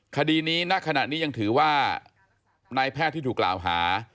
คดีนี้ณขณะนี้ยังถือว่านายแพทย์ที่ถูกกล่าวหา